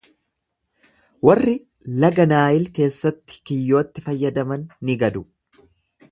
Warri laga Naayil keessatti kiyyootti fayyadaman ni gadu.